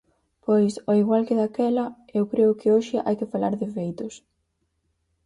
Pois ao igual que daquela, eu creo que hoxe hai que falar de feitos.